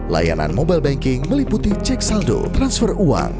layanan mobile banking meliputi cek saldo transfer uang